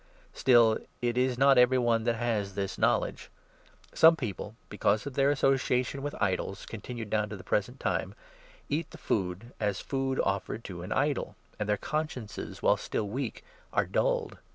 Still, it is not every one 7 that has this knowledge. Some* people, because of their association with idols, continued down to the present time, eat the food as food offered to an idol ; and their consciences, while still weak, are dulled.